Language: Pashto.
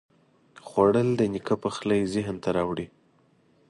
خوړل د نیکه پخلی ذهن ته راوړي